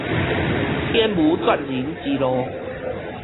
天無絕人之路